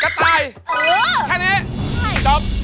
ตายแค่นี้จบ